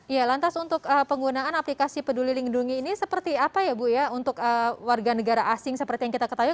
ya lantas untuk penggunaan aplikasi peduli lindungi ini seperti apa ya bu ya untuk warga negara asing seperti yang kita ketahui